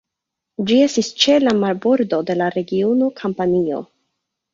Ĝi estis ĉe la marbordo de la regiono Kampanio.